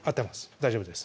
大丈夫です